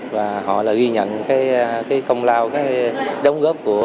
và họ là ghi nhận cái công lao cái đóng góp của